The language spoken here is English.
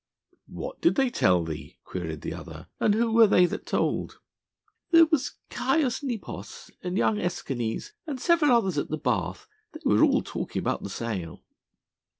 "What did they tell thee?" queried the other, "and who were they that told?" "There was Caius Nepos and young Escanes, and several others at the bath. They were all talking about the sale."